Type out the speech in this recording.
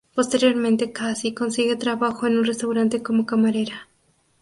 Posteriormente Cassie consigue trabajo en un restaurante como camarera.